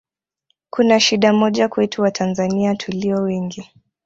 kuna shida moja kwetu Watanzania tulio wengi